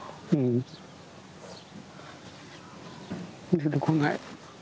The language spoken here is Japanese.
出てこない。